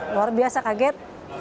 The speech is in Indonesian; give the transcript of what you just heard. luar biasa kaget